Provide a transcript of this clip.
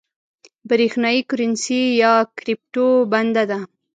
برېښنايي کرنسۍ یا کريپټو بنده ده